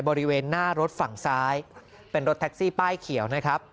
บริเวณหน้ารถฝั่งซ้ายเป็นรถแท็กซี่ป้ายเขียวนะครับ